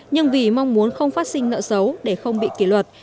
nhưng vì mong muốn không phát sinh nợ xấu để không bị kỷ luật